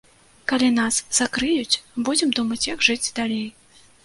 Калі нас закрыюць, будзем думаць, як жыць далей.